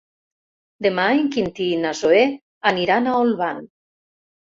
Demà en Quintí i na Zoè aniran a Olvan.